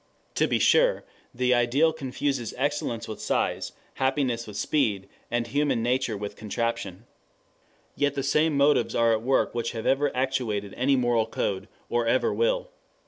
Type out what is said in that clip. To be sure the ideal confuses excellence with size, happiness with speed, and human nature with contraption. Yet the same motives are at work which have ever actuated any moral code, or ever will.